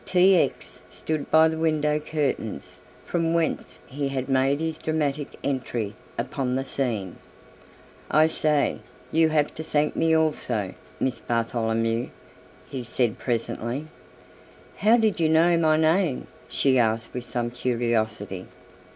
T. X. stood by the window curtains from whence he had made his dramatic entry upon the scene. "I say you have to thank me also, Miss Bartholomew," he said presently. "How do you know my name?" she asked with some curiosity.